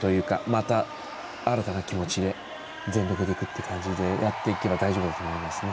また、新たな気持ちで全力でいくっていう感じでやっていけば大丈夫だと思います。